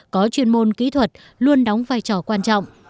có chuyên môn kỹ thuật luôn đóng vai trò quan trọng